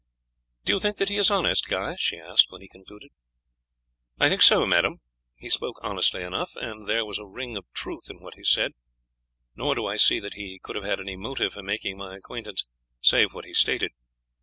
"Do you think that he is honest, Guy?" she asked when he concluded. "I think so, madam. He spoke honestly enough, and there was a ring of truth in what he said; nor do I see that he could have had any motive for making my acquaintance save what he stated.